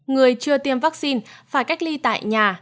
người chưa tiêm vaccine phải cách ly tại nhà